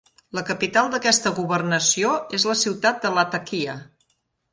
La capital d'aquesta governació és la ciutat de Latakia.